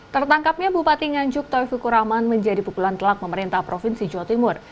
tertangkapnya bupati nganjuk taufikur rahman menjadi pukulan telak pemerintah provinsi jawa timur